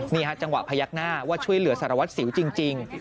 นี่ฮะจังหวะพยักหน้าว่าช่วยเหลือสารวัตรสิวจริง